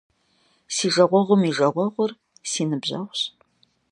Си жагъуэгъум и жагъуэгъур - си ныбжьэгъущ.